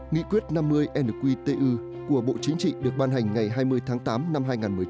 nghị quyết năm mươi nqtu của bộ chính trị được ban hành ngày hai mươi tháng tám năm hai nghìn một mươi chín